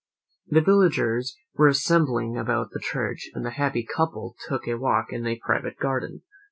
The villagers were assembling about the church, and the happy couple took a walk in a private garden.